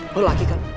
bel lagi kan